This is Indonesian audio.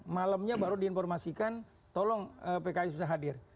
malamnya baru diinformasikan tolong pks bisa hadir